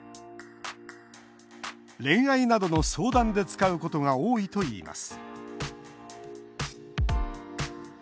恋愛などの相談で使うことが多いといいます